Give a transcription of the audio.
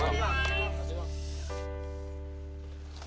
sampai jumpa bu